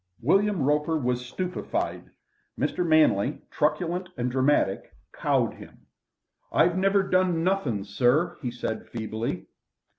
William Roper was stupefied. Mr. Manley, truculent and dramatic, cowed him. "I never done nothing, sir," he said feebly.